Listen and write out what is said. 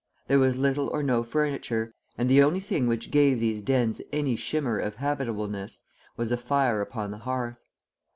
There was little or no furniture, and the only thing which gave these dens any shimmer of habitableness was a fire upon the hearth.